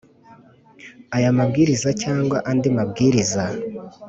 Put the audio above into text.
Aya mabwiriza cyangwa andi mabwiriza